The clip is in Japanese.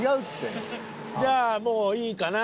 じゃあもういいかな？